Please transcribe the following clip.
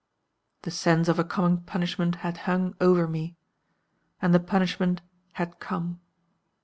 "The sense of a coming punishment had hung over me. And the punishment had come.